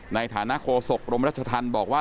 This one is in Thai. ในฐานะโคศกรมรัชธรรมบอกว่า